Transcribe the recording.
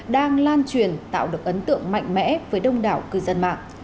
đang lan truyền tạo được ấn tượng mạnh mẽ với đông đảo cư dân mạng